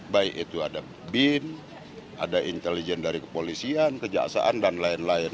baik itu ada bin ada intelijen dari kepolisian kejaksaan dan lain lain